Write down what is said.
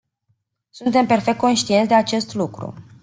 Suntem perfect conștienți de acest lucru.